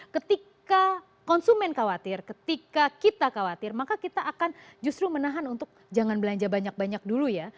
ketika konsumen khawatir ketika kita khawatir maka kita akan justru menahan untuk jangan belanja banyak banyak dulu ya